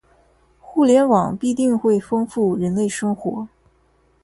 互联网必定会丰富人类生活